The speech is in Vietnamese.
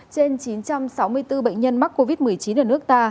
trên chín trăm sáu mươi bốn bệnh nhân mắc covid một mươi chín ở nước ta